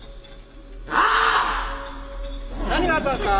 なあ！？何があったんですか？